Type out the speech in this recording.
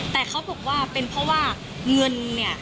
แต่เขาบอกว่าเป็นเพราะว่าเงินเนี่ย